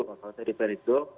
kalau saya dari perindo